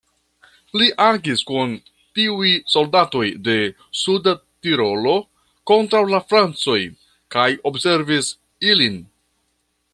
Li agis kun tiuj soldatoj de Suda Tirolo kontraŭ la francoj kaj observis ilin.